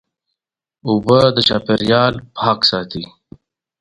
اوبه د چاپېریال پاک ساتي.